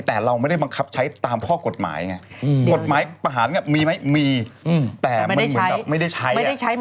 แต่เราไม่ได้บังคับใช้ตามข้อกฎหมายไงกฎหมายประหารมีไหมมีแต่มันเหมือนกับไม่ได้ใช้